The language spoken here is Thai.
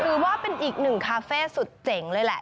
ถือว่าเป็นอีกหนึ่งคาเฟ่สุดเจ๋งเลยแหละ